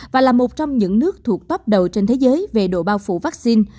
và là một trong những nước thuộc tóp đầu trên thế giới về độ bao phủ vaccine